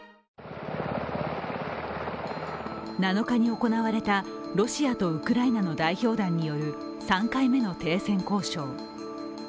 ７日に行われたロシアとウクライナの代表団による３回目の停戦交渉。